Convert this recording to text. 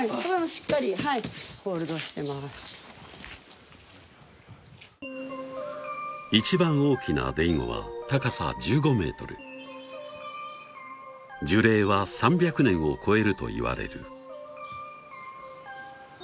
はい一番大きなデイゴは高さ１５ｍ樹齢は３００年を超えるといわれる